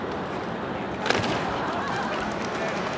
何にもねえのかよ